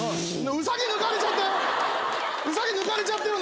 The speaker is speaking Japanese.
ウサギ抜かれちゃったよ